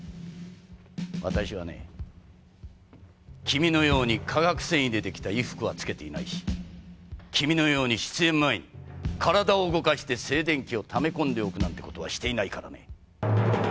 わたしはねぇ君のように化学繊維で出来た衣服は着けていないし君のように出演前に体を動かして静電気をため込んでおくなんてことはしていないからね。